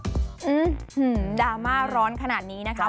อืมดราม่าร้อนขนาดนี้นะคะ